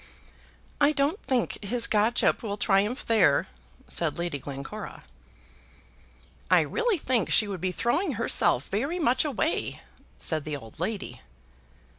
"I don't think his godship will triumph there," said Lady Glencora. "I really think she would be throwing herself very much away," said the old lady.